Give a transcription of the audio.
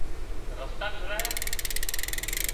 رستا ٽاهرايا